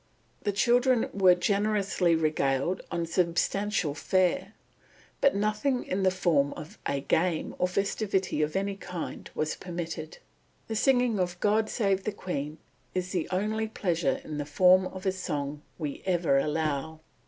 The children were generously regaled on substantial fare. But nothing in the form of a game or a festivity of any kind was permitted. The singing of "God save the King" "is the only pleasure in the form of a song we ever allow....